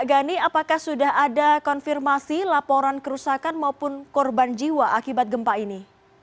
gani apakah sudah ada konfirmasi laporan kerusakan maupun korban jiwa akibat gempa ini